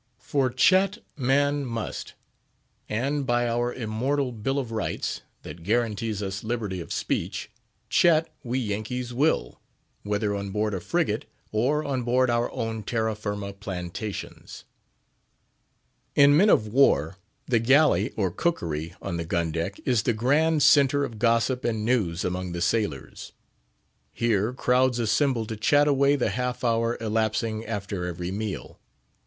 For chat man must; and by our immortal Bill of Rights, that guarantees to us liberty of speech, chat we Yankees will, whether on board a frigate, or on board our own terra firma plantations. In men of war, the Galley, or Cookery, on the gun deck, is the grand centre of gossip and news among the sailors. Here crowds assemble to chat away the half hour elapsing after every meal.